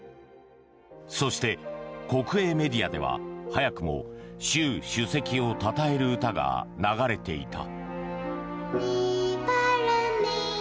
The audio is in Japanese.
そして、国営メディアでは早くも習主席をたたえる歌が流れていた。